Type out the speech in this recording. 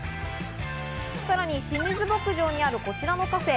さらに清水牧場にあるこちらのカフェ。